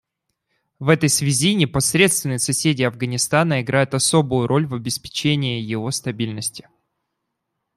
В этой связи непосредственные соседи Афганистана играют особую роль в обеспечении его стабильности.